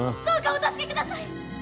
どうかお助けください！